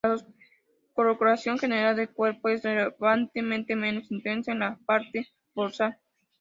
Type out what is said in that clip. Las coloración general de cuerpo es levemente menos intensa en la parte dorsal.